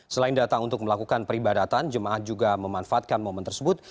selain datang untuk melakukan peribadatan jemaah juga memanfaatkan momen tersebut